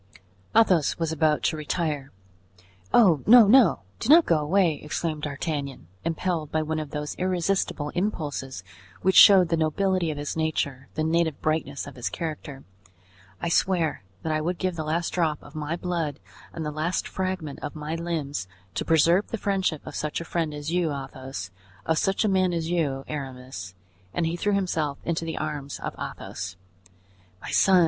Athos was about to retire. "Oh! no! no! do not go away!" exclaimed D'Artagnan, impelled by one of those irresistible impulses which showed the nobility of his nature, the native brightness of his character; "I swear that I would give the last drop of my blood and the last fragment of my limbs to preserve the friendship of such a friend as you, Athos—of such a man as you, Aramis." And he threw himself into the arms of Athos. "My son!"